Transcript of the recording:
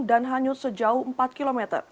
dan hanyut sejauh empat km